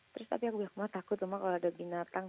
terus tapi aku bilang mah takut cuma kalau ada binatang